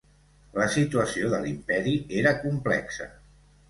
La situació de l'Imperi era complexa.